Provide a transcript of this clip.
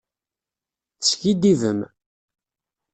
Teskiddibem.